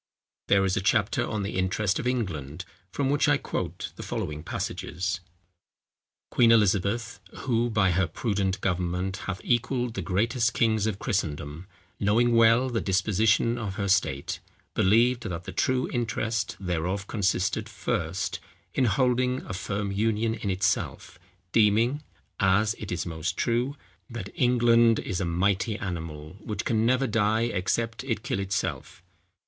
There is a chapter on The Interest of England, from which I quote the following passages: "Queen Elizabeth (who by her prudent government hath equalled the greatest kings of Christendom), knowing well the disposition of her state, believed that the true interest thereof consisted, first in holding a firm union in itself, deeming (as it is most true) that England is a mighty animal, which can never die except it kill itself.